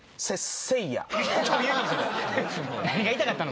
何が言いたかったの？